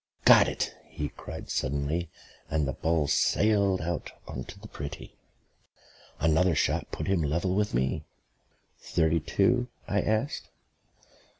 "Got it," he cried suddenly, and the ball sailed out on to the pretty. Another shot put him level with me. "Thirty two?" I asked.